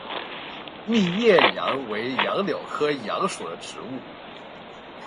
密叶杨为杨柳科杨属的植物。